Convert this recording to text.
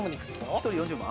・１人４０万？